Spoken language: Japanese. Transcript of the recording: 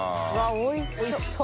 おいしそう！